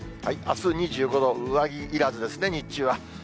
あす２５度、上着いらずですね、日中は。